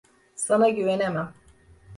Sana güvenemem.